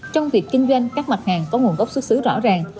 trong việc kinh doanh các mặt hàng có nguồn gốc xuất xứ rõ ràng